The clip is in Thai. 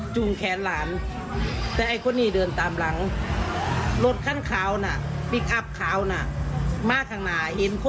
ชุดแล้วเป็นอย่างไรต่อครับ